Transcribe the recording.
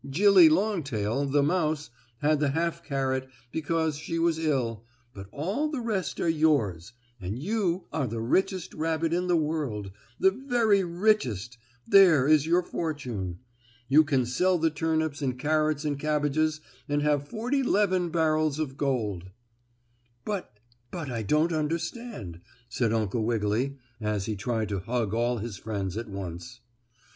"Jillie Longtail, the mouse, had the half carrot because she was ill, but all the rest are yours, and you are the richest rabbit in the world the very richest there is your fortune. You can sell the turnips and carrots and cabbages and have forty 'leven barrels of gold." "But but I don't understand," said Uncle Wiggily, as he tried to hug all his friends at once.